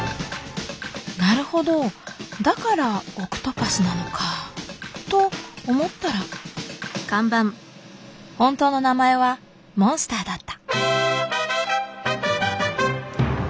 なるほどだからオクトパスなのか。と思ったら本当の名前は「モンスター」だった。